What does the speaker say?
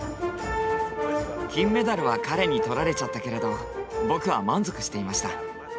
金メダルは彼に取られちゃったけれど僕は満足していました。